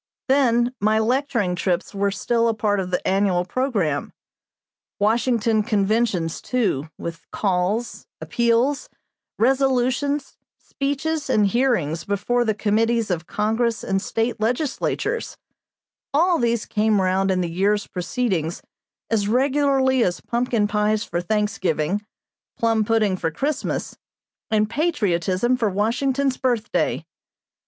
Then my lecturing trips were still a part of the annual programme. Washington conventions, too, with calls, appeals, resolutions, speeches and hearings before the Committees of Congress and State legislatures, all these came round in the year's proceedings as regularly as pumpkin pies for Thanksgiving, plum pudding for Christmas, and patriotism for Washington's birthday.